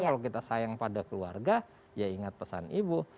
kalau kita sayang pada keluarga ya ingat pesan ibu